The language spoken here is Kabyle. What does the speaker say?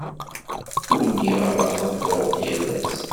Ur lliɣ ara qeḍḍuɣ-d yal ass.